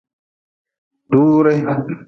Duure.